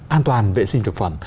an toàn vệ sinh thực phẩm